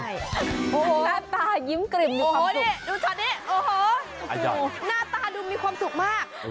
อันนี้หน้าตายิ้มกลิ่มดูชอตนี้หน้าตาดูมีความสุขมาก